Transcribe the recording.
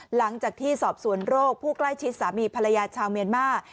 หลังจากที่สอบสวนโรคผู้ใกล้ชิดสามีภรรยาชาวเมียนมาร์